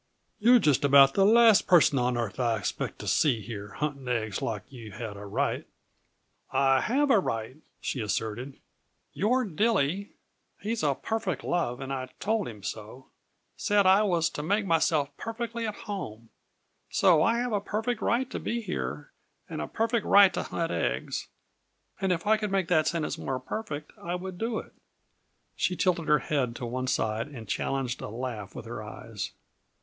"You're just about the last person on earth I'd expect to see here, hunting eggs like you had a right " "I have a right," she asserted. "Your Dilly he's a perfect love, and I told him so said I was to make myself perfectly at home. So I have a perfect right to be here, and a perfect right to hunt eggs; and if I could make that sentence more 'perfect,' I would do it." She tilted her head to one side and challenged a laugh with her eyes.